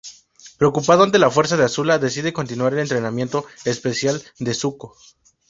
Preocupado ante la fuerza de Azula, decide continuar el entrenamiento especial de Zuko.